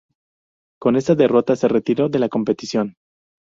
Con esta derrota, se retiró de la competición.